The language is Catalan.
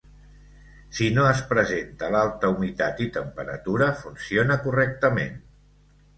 Si no es presenta l'alta humitat i temperatura funciona correctament.